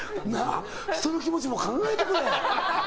人の気持ちも考えてくれ。